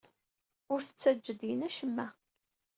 Ur t-ttajja ad d-yini acemma.